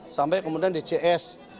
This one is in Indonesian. sampai kemudian dcs